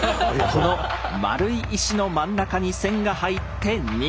この円い石の真ん中に線が入って「日」。